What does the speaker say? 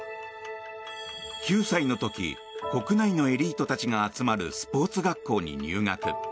９歳の時国内のエリートたちが集まるスポーツ学校に入学。